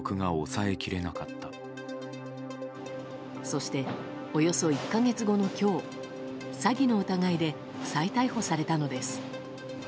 そして、およそ１か月後の今日詐欺の疑いで再逮捕されたのです。